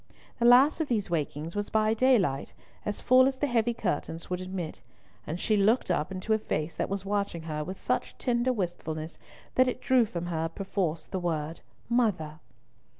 The last of these wakenings was by daylight, as full as the heavy curtains would admit, and she looked up into a face that was watching her with such tender wistfulness that it drew from her perforce the word "Mother."